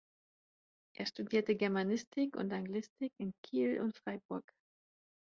Er studierte Germanistik und Anglistik in Kiel und Freiburg.